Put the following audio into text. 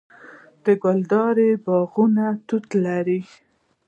د ګلدرې باغونه توت لري.